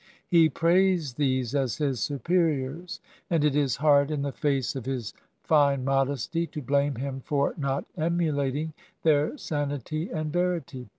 He praised these as his superiors, and it is hard in the face of his fine modesty to blame him for not emulating their sanity and verity.